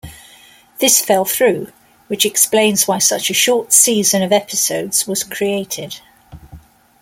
This fell through, which explains why such a short season of episodes was created.